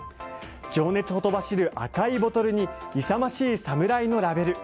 情熱ほとばしる赤いボトルに勇ましい侍のラベル。